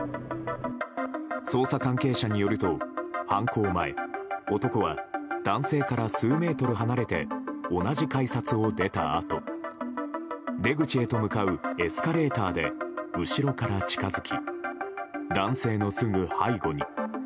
捜査関係者によると、犯行前男は、男性から数メートル離れて同じ改札を出たあと出口へと向かうエスカレーターで後ろから近づき男性のすぐ背後に。